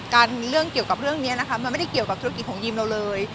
เรื่องเกี่ยวกับเรื่องนี้นะคะมันไม่ได้เกี่ยวกับธุรกิจของยิมเราเลย